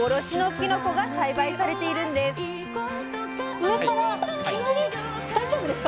上から大丈夫ですか？